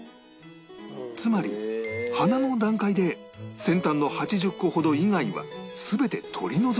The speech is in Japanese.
つまり花の段階で先端の８０個ほど以外は全て取り除く